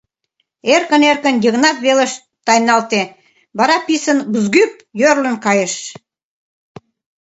Эркын-эркын Йыгнат велыш тайналте, вара писын бызгӱп йӧрлын кайыш.